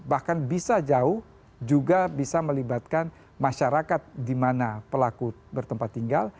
bahkan bisa jauh juga bisa melibatkan masyarakat di mana pelaku bertempat tinggal